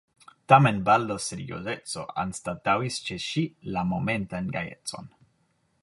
Tamen baldaŭ seriozeco anstataŭis ĉe ŝi la momentan gajecon.